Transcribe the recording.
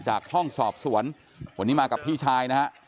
ห้องสอบสวนวันนี้มากับพี่ชายนะฮะ